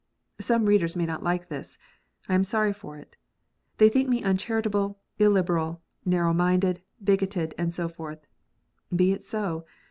Some readers may not like this. I am sorry for it. They think me uncharitable, illiberal, narrow minded, bigoted, and so forth. Be it so.